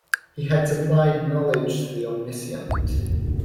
He had supplied knowledge to the omniscient.